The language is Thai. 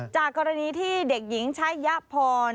จากกรณีที่เด็กหญิงชะยะพร